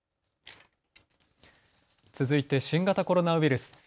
続いて新型コロナウイルス。